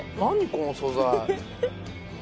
この素材。